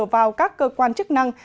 vào các cơ quan chức năng